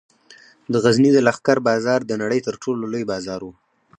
د غزني د لښکر بازار د نړۍ تر ټولو لوی بازار و